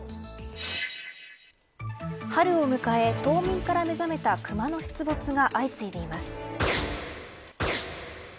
春を迎え冬眠から目覚めたクマの出没が相次いでいます。